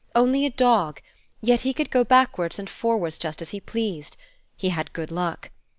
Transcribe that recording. only a dog, yet he could go backwards and forwards just as he pleased: he had good luck!